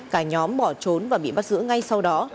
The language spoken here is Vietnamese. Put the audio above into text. cả nhóm bỏ trốn và bị bắt giữ ngay sau đó